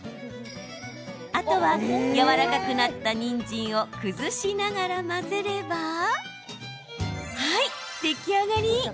あとは、やわらかくなったにんじんを崩しながら混ぜればはい、出来上がり。